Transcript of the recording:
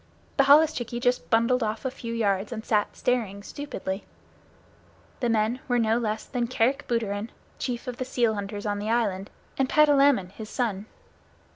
The holluschickie just bundled off a few yards and sat staring stupidly. The men were no less than Kerick Booterin, the chief of the seal hunters on the island, and Patalamon, his son.